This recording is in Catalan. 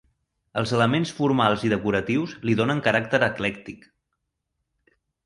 Els elements formals i decoratius li donen caràcter eclèctic.